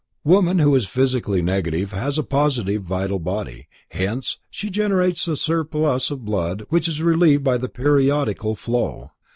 Woman who is physically negative has a positive vital body, hence she generates a surplus of blood which is relieved by the periodical flow.